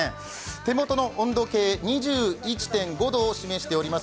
手元の温度計２１．５度を示しております。